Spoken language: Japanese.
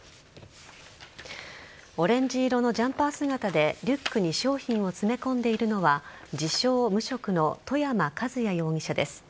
オレンジ色のジャンパー姿でリュックに商品を詰め込んでいるのは自称無職の外山和也容疑者です。